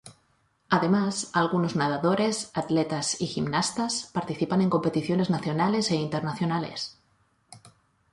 Además algunos nadadores, atletas y gimnastas participan en competiciones nacionales e internacionales.